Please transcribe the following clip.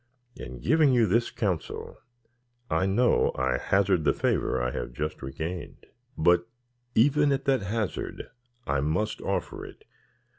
In giving you this counsel, I know I hazard the favour I have just regained. But even at that hazard, I must offer it.